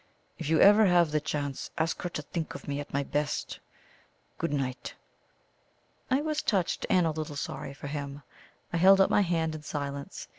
If you ever have the chance ask her to think of me at my best. Good night." I was touched and a little sorry for him. I held out my hand in silence.